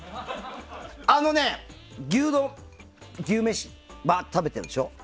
あのね、牛めし、食べてるでしょ。